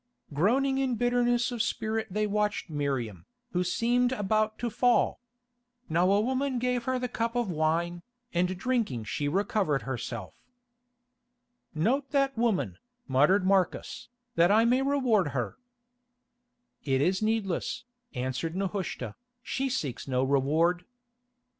Groaning in bitterness of spirit they watched Miriam, who seemed about to fall. Now a woman gave her the cup of wine, and drinking she recovered herself. "Note that woman," muttered Marcus, "that I may reward her." "It is needless," answered Nehushta, "she seeks no reward." "That is strange in a Roman," he said bitterly.